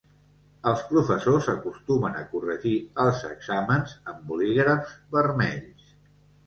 Els professors acostumen a corregir els exàmens amb bolígrafs vermells.